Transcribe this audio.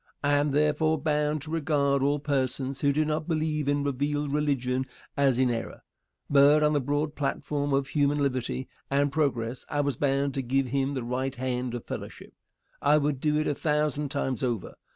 I am, therefore, bound to regard all persons who do not believe in revealed religion as in error. But on the broad platform of human liberty and progress I was bound to give him the right hand of fellowship. I would do it a thousand times over.